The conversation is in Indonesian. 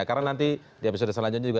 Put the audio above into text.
karena nanti di episode selanjutnya